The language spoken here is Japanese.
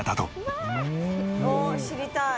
おっ知りたい。